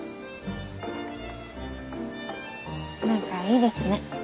何かいいですね。